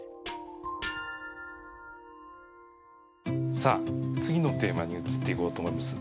さあ次のテーマに移っていこうと思います。